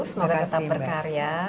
semoga tetap berkarya